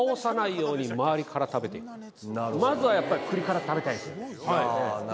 まずはやっぱり栗から食べたいんですよね。